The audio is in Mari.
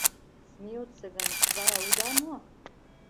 — Смеется гын, вара уда мо!